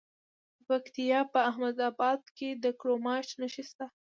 د پکتیا په احمد اباد کې د کرومایټ نښې شته.